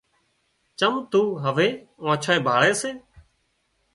چم تو هوَي آنڇانئي ڀاۯي سي